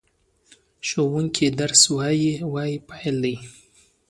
ښوونکی درس وايي – "وايي" فعل دی.